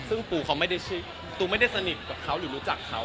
ซึ่งปูเขาปูไม่ได้สนิทกับเขาหรือรู้จักเขา